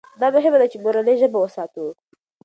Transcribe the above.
دا مهمه ده چې مورنۍ ژبه وساتو.